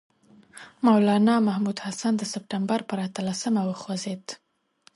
مولنا محمود الحسن د سپټمبر پر اتلسمه وخوځېد.